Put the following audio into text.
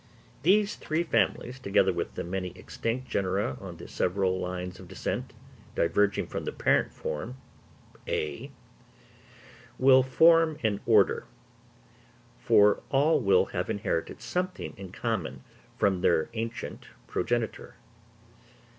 These three families, together with the many extinct genera on the several lines of descent diverging from the parent form (A) will form an order; for all will have inherited something in common from their ancient progenitor.